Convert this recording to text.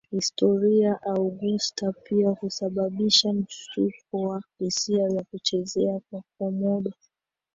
Historia Augusta pia husababisha mshtuko wa hisia za kuchezea kwa Komodo